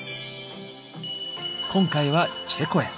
今回はチェコへ。